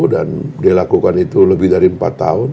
dan dia lakukan itu lebih dari empat tahun